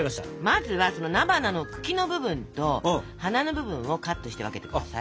まずは菜花の茎の部分と花の部分をカットして分けて下さい。